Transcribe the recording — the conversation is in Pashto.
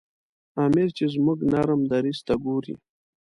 امیر چې زموږ نرم دریځ ته ګوري.